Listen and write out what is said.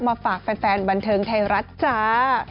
มาฝากแฟนบันเทิงไทยรัฐจ้า